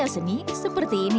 karya seni seperti ini